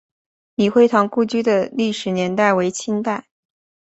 李惠堂故居的历史年代为清代。